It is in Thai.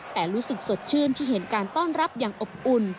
แต่รู้สึกสดชื่นที่เห็นการต้อนรับอย่างอบอุ่น